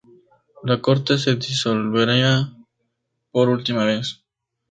La corte se disolvería por última vez.